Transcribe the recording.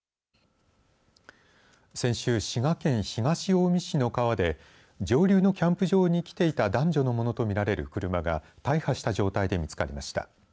先週、滋賀県東近江市の川で上流のキャンプ場に来ていた男女のものと見られる車が大破した状態で見つかりました。